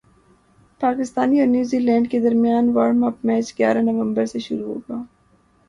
پاکستان اور New Zealand A کے درمیان وارم اپ میچ گیارہ نومبر سے شروع ہوگا